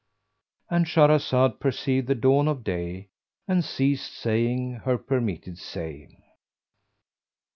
— And Shahrazad perceived the dawn of day and ceased saying her permitted say.